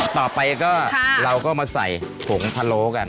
ต่อไปก็เราก็มาใส่ผงพะโล้กัน